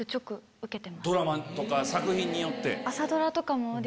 ドラマとか作品によって。